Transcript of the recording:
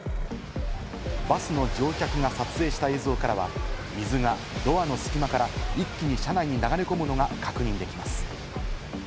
バスの乗客が撮影した映像からは水がドアの隙間から一気に車内に流れ込むのが確認できます。